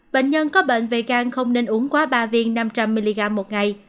bệnh nhân có bệnh về càng không nên uống quá ba viên năm trăm linh mg một ngày